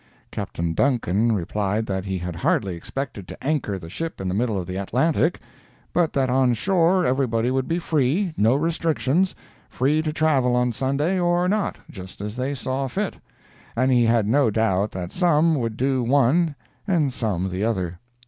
Captain Duncan replied that he hardly expected to anchor the ship in the middle of the Atlantic, but that on shore everybody would be free—no restrictions—free to travel on Sunday or not, just as they saw fit; and he had no doubt that some would do one and some the other.